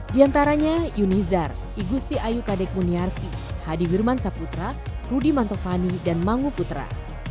di antaranya yunizar igusti ayu kadek muniarsi hadi firman saputra rudy mantovani dan mangu putra